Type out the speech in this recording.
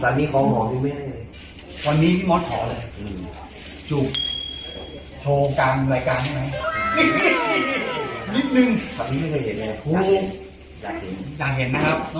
สามีพอมองแล้วไม่ได้เลย